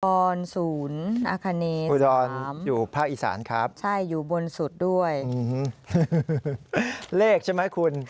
ฮูดอนศูนย์อคเอนีสามใช่อยู่บนสุดด้วยเลขใช่ไหมคุณ